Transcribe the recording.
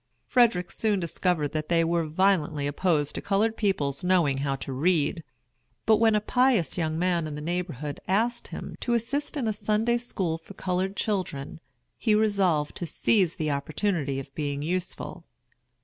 Frederick soon discovered that they were violently opposed to colored people's knowing how to read; but when a pious young man in the neighborhood asked him to assist in a Sunday school for colored children, he resolved to seize the opportunity of being useful.